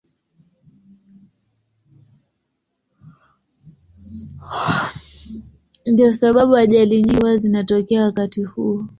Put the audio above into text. Ndiyo sababu ajali nyingi huwa zinatokea wakati huo.